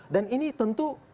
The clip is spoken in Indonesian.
dan ini tentu